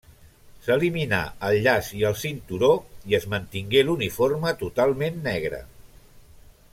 S'eliminà el llaç i el cinturó i es mantingué l'uniforme totalment negre.